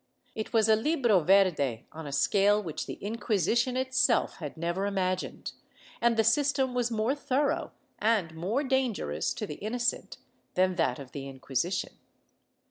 It was a Libro Verde on a scale which the Inquisition itself had never imagined, and the system was more thorough and more dangerous to the innocent than that of the Inquisition.